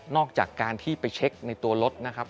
อกจากการที่ไปเช็คในตัวรถนะครับ